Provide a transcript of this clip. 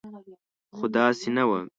خو داسې نه وه.